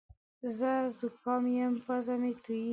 زه زوکام یم پزه مې تویېږې